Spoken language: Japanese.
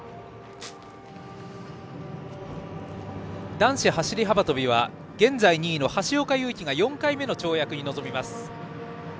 男子走り幅跳びは現在２位の橋岡優輝が４回目の跳躍に臨みます。